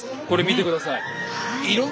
これ見てください。